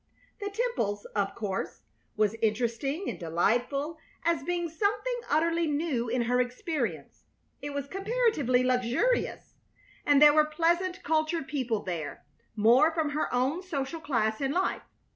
The Temples', of course, was interesting and delightful as being something utterly new in her experience. It was comparatively luxurious, and there were pleasant, cultured people there, more from her own social class in life.